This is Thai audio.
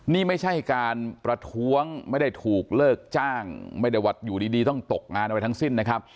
นี่ไม่ใช่การประท้วงไม่ได้ถูกเลิกจ้างไม่ได้ว่าอยู่ดีต้องตกงานอะไรทั้งสิ้นนะครับ